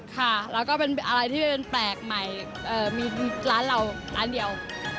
ค่ะแล้วก็เป็นอะไรที่เป็นแปลกใหม่มีร้านเราร้านเดียว